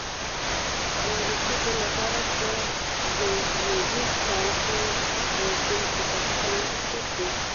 د وروستي ځل لپاره په زېږدیز کال کې د چین اساسي قانون تصویب شو.